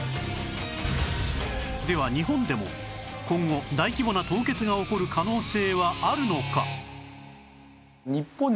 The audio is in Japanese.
では日本でも今後大規模な凍結が起こる可能性はあるのか？